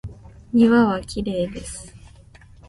庭はきれいです。